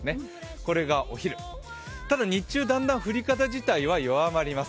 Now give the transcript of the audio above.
これがお昼、ただ日中だんだん降り方自体は弱まります。